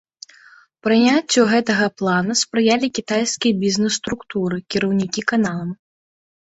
Прыняццю гэтага плана спрыялі кітайскія бізнес-структуры, кіраўнікі каналам.